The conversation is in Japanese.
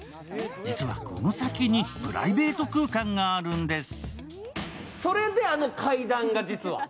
実は、この先に、プライベート空間があるんです。